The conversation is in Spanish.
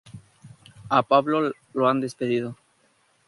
A Pablo le han despedido.